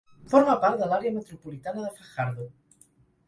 Forma part de l'Àrea metropolitana de Fajardo.